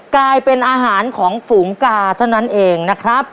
กลายเป็นอาหารของฝูงกาเท่านั้นเองนะครับ